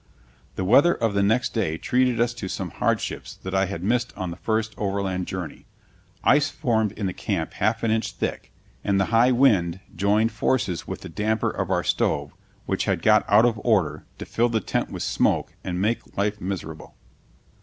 The weather of the next day treated us to some hardships that I had missed on the first overland journey. Ice formed in the camp half an inch thick, and the high wind joined forces with the damper of our stove, which had got out of order, to fill the tent with smoke and make life miserable.